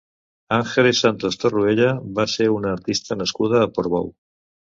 Ángeles Santos Torroella va ser una artista nascuda a Portbou.